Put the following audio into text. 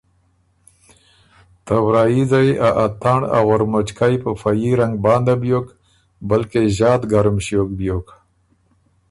ته ورائیځئ ا اتنړ ا غُرمُچکئ په فه يي رنګ بانده بیوک بلکې ݫات ګرُم ݭیوک بیوک۔